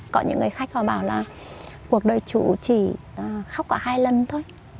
có những người khách họ bảo là cuộc đời chủ chỉ khóc cả hai lần thôi